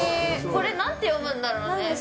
これなんて読むんだろうね。